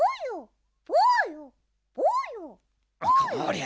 こりゃ！